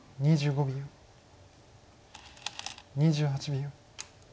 ２８秒。